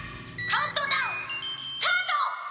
「カウントダウンスタート！」